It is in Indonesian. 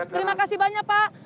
terima kasih banyak pak